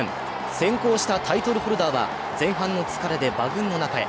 先行したタイトルホルダーは前半の疲れで馬群の中へ。